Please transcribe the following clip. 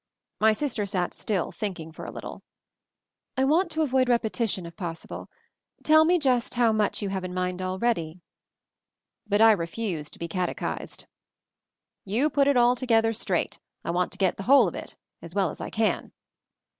My sister sat still, thinking, for a little. "I want to avoid repetition if possible — tell MOVING THE MOUNTAIN 195 me just how much you have in mind already." But I refused to be catechised. "You put it all together, straight ; I want to get the whole of it — as well as I can."